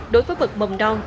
một đối với bậc mồng đoan